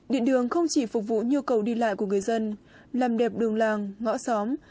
điện đường không chỉ phục vụ nhu cầu đi lại của người dân làm đẹp đường làng ngõ xóm